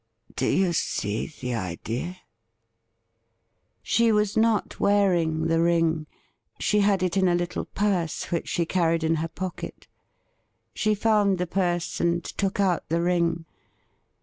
Do you see the idea ?'' She was not wearing the ring. She had it in a little purse which she carried in her pocket. She found the purse and took out the ring.